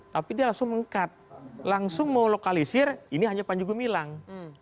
tapi dia langsung meng cut langsung mau lokalisir ini hanya panji gumilang